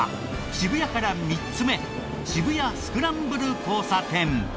渋谷から３つ目渋谷スクランブル交差点。